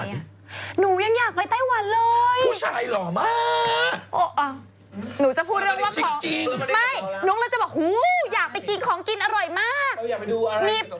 นุ้งเลยจะบอกอยากไปกินของกินอร่อยมาก